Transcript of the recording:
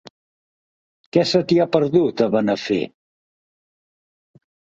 Què se t'hi ha perdut, a Benafer?